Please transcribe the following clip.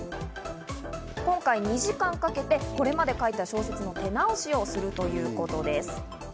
今回２時間かけてこれまで書いた小説の手直しをするということです。